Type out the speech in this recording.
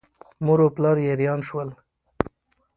مور او پلار یې حیران شول.